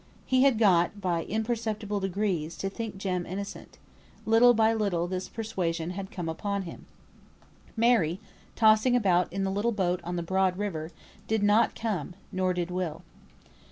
He had got, by imperceptible degrees, to think Jem innocent. Little by little this persuasion had come upon him. Mary (tossing about in the little boat on the broad river) did not come, nor did Will.